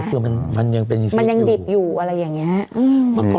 คือมันยังเป็นอยู่มันยังดิบอยู่อะไรอย่างนี้